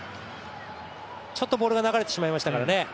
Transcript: ちょっとボールが流れてしまいましたからね。